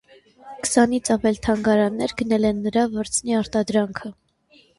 Քսանից ավել թանգարաններ գնել են նրա վրձնի արտադրանքը։